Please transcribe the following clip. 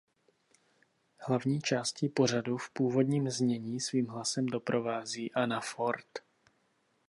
Hlavní částí pořadu v původním znění svým hlasem doprovází Anna Ford.